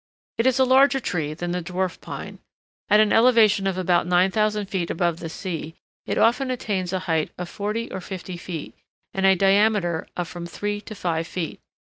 It is a larger tree than the Dwarf Pine. At an elevation of about 9000 feet above the sea, it often attains a height of forty or fifty feet, and a diameter of from three to five feet.